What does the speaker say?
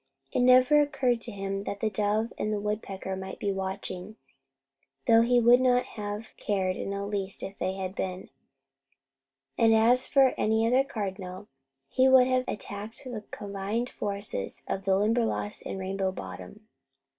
It never occurred to him that the dove and the woodpecker might be watching, though he would not have cared in the least if they had been; and as for any other cardinal, he would have attacked the combined forces of the Limberlost and Rainbow Bottom.